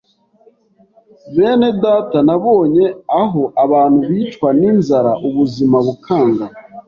Benedata nabonye aho abantu bicwa n’inzara ubuzima bukanga